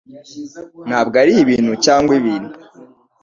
Ntabwo ari ibintu-cyangwa ibintu